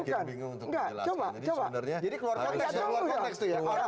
jadi keluar konteks